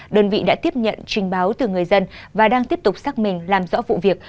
đơn vị đã tiếp nhận trình báo từ người dân và đang tiếp tục xác minh làm rõ vụ việc